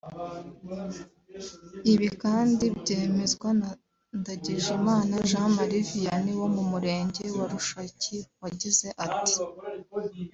Ibi kandi byemezwa na Ndagijimana Jean Marie Vianney wo mu Murenge wa Rushaki wagize ati